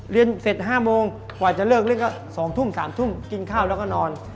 เรียนเสร็จ๕โมงกว่าจะเลิกเล่นก็๒ทุ่ม๓ทุ่มกินข้าวแล้วก็นอน